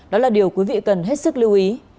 đó là điều quý vị cần hết sức lưu ý